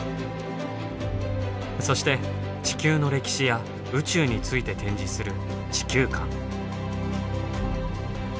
そして地球の歴史や宇宙について展示する地球館。